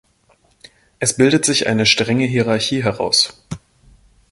Es bildet sich eine strenge Hierarchie heraus.